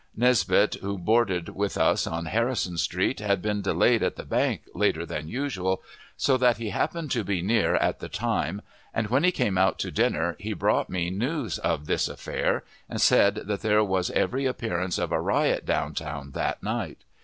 Nisbet, who boarded with us on Harrison Street, had been delayed at the bank later than usual, so that he happened to be near at the time, and, when he came out to dinner, he brought me the news of this affair, and said that there was every appearance of a riot down town that night.